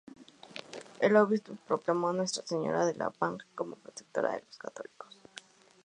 El obispo proclamó a Nuestra Señora de La Vang como Protectora de los Católicos.